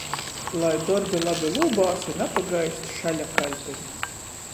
Lai dorbi labi lūbās i napagaist šaļa kaļpeni.